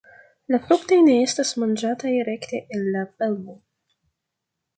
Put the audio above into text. La fruktoj ne estas manĝataj rekte el la pelvo.